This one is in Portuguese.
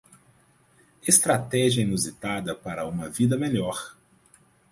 Estratégia inusitada para uma vida melhor